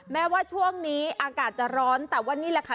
แม้ว่าช่วงนี้อากาศจะร้อนแต่ว่านี่แหละค่ะ